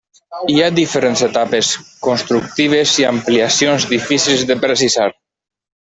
Hi ha diferents etapes constructives i ampliacions difícils de precisar.